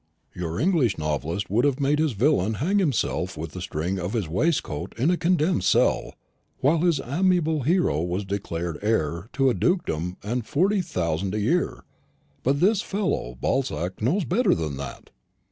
Your English novelist would have made his villain hang himself with the string of his waistcoat in a condemned cell, while his amiable hero was declared heir to a dukedom and forty thousand a year. But this fellow Balzac knows better than that."